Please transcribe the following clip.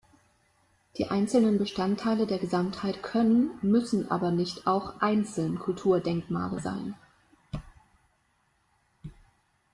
Die einzelnen Bestandteile der Gesamtheit können, müssen aber nicht auch einzeln Kulturdenkmale sein.